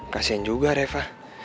kasian juga reva